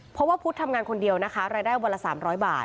เพราะว่าพุทธทำงานคนเดียวนะคะรายได้วันละ๓๐๐บาท